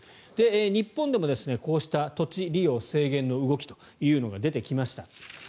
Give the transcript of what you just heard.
日本でもこうした土地利用制限の動きというのが出てきました。